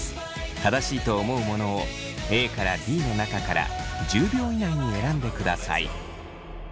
正しいと思うものをＡからＤの中から１０秒以内に選んでください。